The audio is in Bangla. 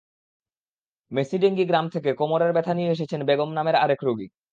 মেছিডেংগী গ্রাম থেকে কোমরের ব্যথা নিয়ে এসেছেন বেগম নামের আরেক রোগী।